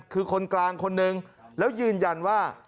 คือคนกลางคนนึงแล้วยืนยันว่า